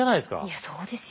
いやそうですよ。